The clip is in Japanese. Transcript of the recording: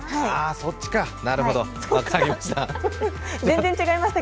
そっちか、なるほど分かりました。